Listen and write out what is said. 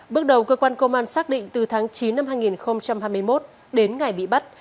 bước đầu cơ quan công an xác định từ tháng chín năm hai nghìn hai mươi một đến ngày bị bắt